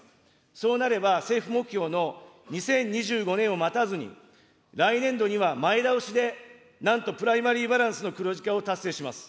そうなれば、政府目標の２０２５年を待たずに、来年度には前倒しでなんとプライマリー・バランスの黒字化を達成します。